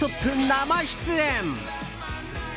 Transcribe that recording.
生出演。